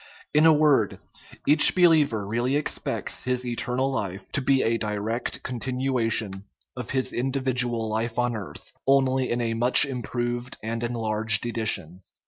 In a word, each believer really expects his eternal life to be 206 THE IMMORTALITY OF THE SOUL a direct continuation of his individual life on earth, only in a " much improved and enlarged edition."